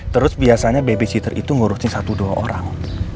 terus biasanya babysitter itu ngurusin satu dua orang